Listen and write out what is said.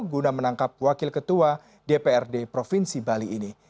guna menangkap wakil ketua dprd provinsi bali ini